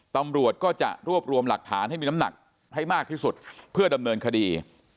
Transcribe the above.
ตำรวจก็จะรวบรวมหลักฐานให้มีน้ำหนักให้มากที่สุดเพื่อดำเนินคดี